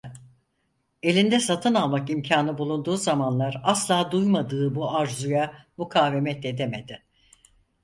Elinde satın almak imkânı bulunduğu zamanlar asla duymadığı bu arzuya mukavemet edemedi.